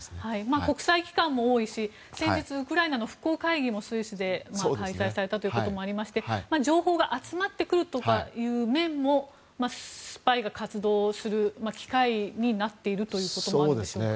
国際機関も多いし先日、ウクライナの復興会議も開催されたこともありまして情報が集まってくるという面もスパイが活動する機会になっているということなんでしょうか。